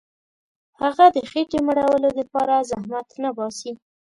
هغه د خېټي مړولو دپاره زحمت نه باسي.